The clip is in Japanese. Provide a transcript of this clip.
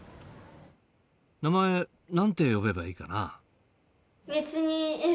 名前何て呼べばいいかな？